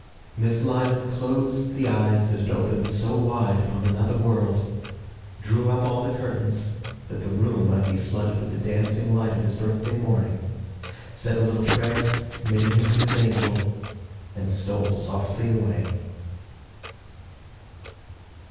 Miss Lyman closed the eyes that had opened so wide upon another world, drew up all the curtains, that the room might be flooded with the dancing light of his birthday morning, said a little prayer, committing him to his angel, and stole softly away.